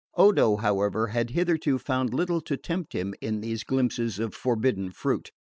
Odo, however, had hitherto found little to tempt him in these glimpses of forbidden fruit.